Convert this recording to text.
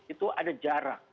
itu ada jarak